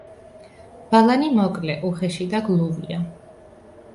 ბალანი მოკლე, უხეში და გლუვია.